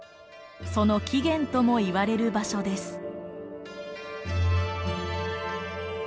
その起源ともいわれる場所です。